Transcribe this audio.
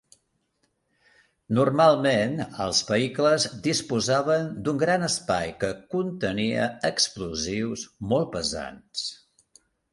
Normalment, els vehicles disposaven d'un gran espai que contenia explosius molt pesats.